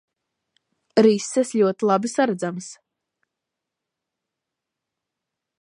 Rises ļoti labi saredzamas.